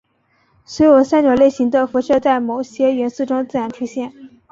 所有三种类型的辐射在某些元素中自然出现。